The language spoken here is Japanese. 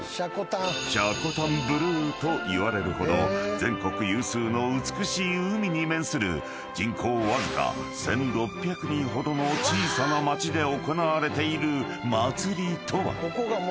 ［といわれるほど全国有数の美しい海に面する人口わずか１，６００人ほどの小さな町で行われている祭りとは？］